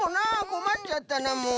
こまっちゃったなもう。